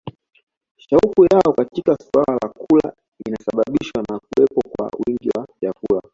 Shauku yao katika suala la kula inasababishwa na kuwepo kwa wingi wa vyakula